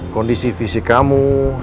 kondisi fisik kamu